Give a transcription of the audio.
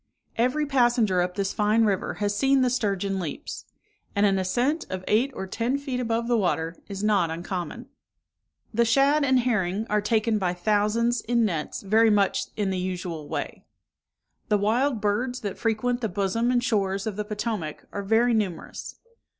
Every passenger up this fine river has seen the sturgeon leaps; and an ascent of eight or ten feet above the water is not uncommon. The shad and herring are taken by thousands, in nets, very much in the usual way. The wild birds that frequent the bosom and shores of the Potomac, are very numerous.